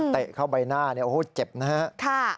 เข้าใบหน้าเนี่ยโอ้โหเจ็บนะฮะ